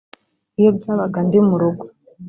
iyo byabaga ndi mu rugo